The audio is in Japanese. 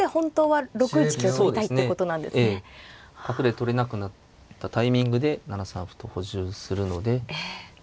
角で取れなくなったタイミングで７三歩と補充するので。